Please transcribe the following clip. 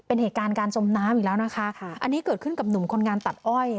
เป็นเหตุการณ์การจมน้ำอีกแล้วนะคะค่ะอันนี้เกิดขึ้นกับหนุ่มคนงานตัดอ้อย